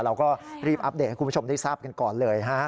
เราก็รีบอัปเดตให้คุณผู้ชมได้ทราบกันก่อนเลยฮะ